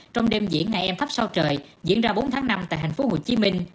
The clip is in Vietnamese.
trong đêm diễn ngày em thắp sau trời diễn ra bốn tháng năm tại tp hcm